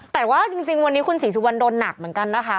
แต่ว่าจริงวันนี้คุณศรีสุวรรณโดนหนักเหมือนกันนะคะ